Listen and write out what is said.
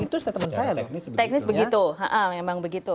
itu setelah saya teknis teknis begitu memang begitu